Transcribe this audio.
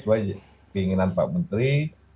sesuai keinginan pak menteri